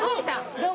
どうも。